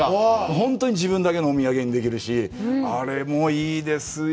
本当に自分だけのお土産にできるし、あれもいいですよ。